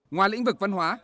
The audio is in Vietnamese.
ngoài lĩnh vực văn hóa